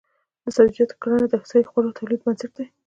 د سبزیجاتو کرنه د صحي خوړو د تولید بنسټ دی.